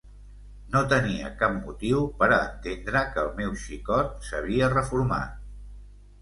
No tenia cap motiu per a entendre que el meu xicot s'havia reformat.